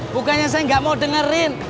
bukannya saya nggak mau dengerin